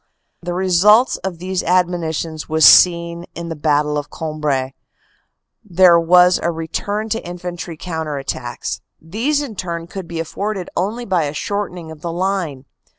The result of these admonitions was seen in the Battle of Cambrai. There was a return to infantry counter attacks. These, in turn, could be afforded only by a shortening of the line.